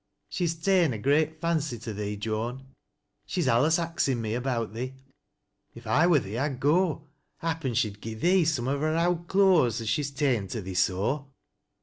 She's ta'en a great fancy to thoe, Joan. She's alius axin me about thee. If T wni thee I'd go. Happen she'd gi' thee some o' her owd cloas ik3 she's ta'en to thee so."